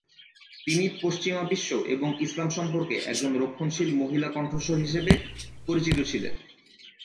তিনি পশ্চিমা বিশ্ব এবং ইসলাম সম্পর্কে একজন রক্ষণশীল মহিলা কণ্ঠস্বর হিসেবে পরিচিত ছিলেন।